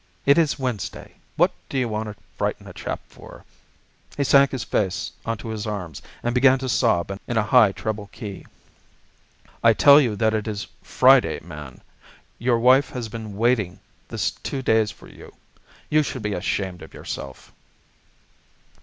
It is Wednesday. What d'you want to frighten a chap for?" He sank his face onto his arms and began to sob in a high treble key. "I tell you that it is Friday, man. Your wife has been waiting this two days for you. You should be ashamed of yourself!"